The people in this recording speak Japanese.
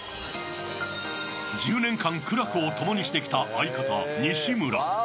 １０年間苦楽をともにしてきた相方・西村。